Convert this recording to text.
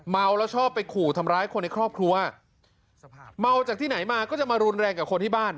เมาแล้วชอบไปขู่ทำร้ายคนในครอบครัวเมาจากที่ไหนมาก็จะมารุนแรงกับคนที่บ้าน